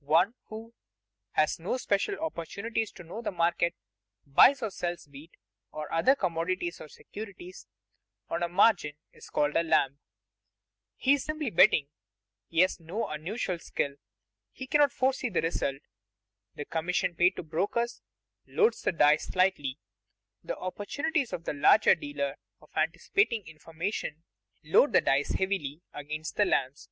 One who, having no special opportunities to know the market, buys or sells wheat, or other commodities or securities, on margin, is called a lamb. He is simply betting. He has no unusual skill; he cannot foresee the result. The commission paid to brokers "loads the dice" slightly; the opportunities of the larger dealer of anticipating information load the dice heavily against the lambs.